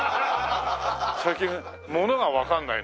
最近物がわかんないな。